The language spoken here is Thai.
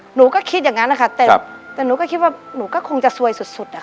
หนูก็คิดอย่างนั้นนะคะแต่หนูก็คิดว่าหนูก็คงจะซวยสุด